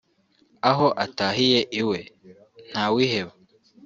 Aho atahiye iwe (Ntawiheba)